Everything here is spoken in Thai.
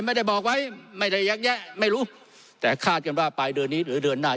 ไม่ได้บอกไว้ไม่ได้ยักแยะไม่รู้แต่คาดกันว่าปลายเดือนนี้หรือเดือนหน้า